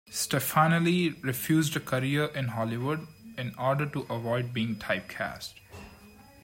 Stefanelli refused a career in Hollywood, in order to avoid being typecast.